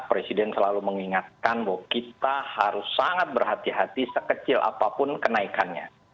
presiden selalu mengingatkan bahwa kita harus sangat berhati hati sekecil apapun kenaikannya